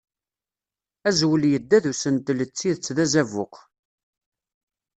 Azwel yedda d usentel d tidet d azabuq.